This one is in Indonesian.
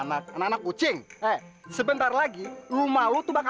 apaan tuh rame rame di sana